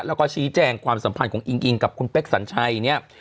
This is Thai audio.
แล้วก็ชี้แจงความสัมพันธ์ของอิงอิงกับคุณเป๊กสัญชัยเนี่ย